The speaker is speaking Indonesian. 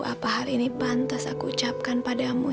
apa hari ini pantas aku ucapkan padamu